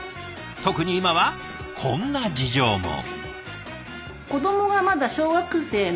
特に今はこんな事情も。